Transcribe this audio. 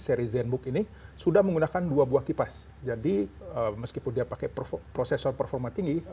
seri zenbook ini sudah menggunakan dua buah kipas jadi meskipun dia pakai processor performa tinggi